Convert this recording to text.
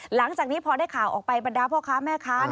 หลังจากนี้พอได้ข่าวออกไปบรรดาพ่อค้าแม่ค้า